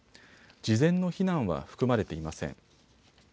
事前の避難は含まれていません。